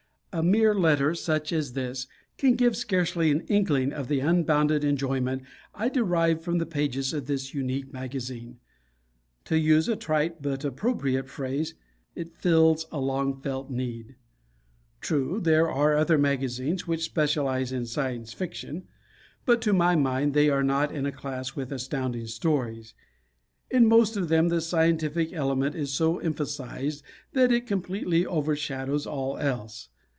A mere letter such as this can give scarcely an inkling of the unbounded enjoyment I derive from the pages of this unique magazine. To use a trite but appropriate phrase, "It fills a long felt need." True, there are other magazines which specialize in Science Fiction; but, to my mind they are not in a class with Astounding Stories. In most of them the scientific element is so emphasized that it completely overshadows all else.